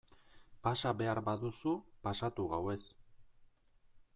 Pasa behar baduzu pasatu gauez...